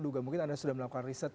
duga mungkin anda sudah melakukan riset